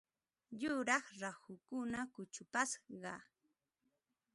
Yuraq rahukuna kuchupashqa.